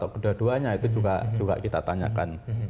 kota itu juga kita tanyakan